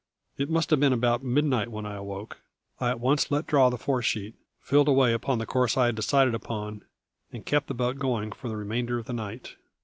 It must have been about midnight when I awoke. I at once let draw the fore sheet, filled away upon the course I had decided upon, and kept the boat going for the remainder of the night.